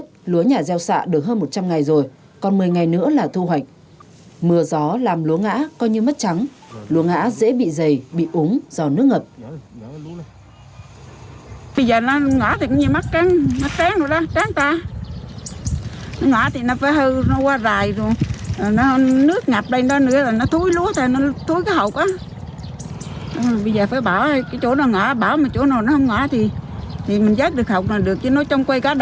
thì mình dắt được hộp nào được chứ nó trong quê cá đầm chứ không riêng như một mình